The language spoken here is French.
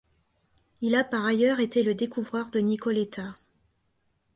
Il a par ailleurs été le découvreur de Nicoletta.